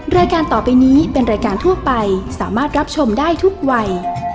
รายการต่อไปนี้เป็นรายการทั่วไปสามารถรับชมได้ทุกวัย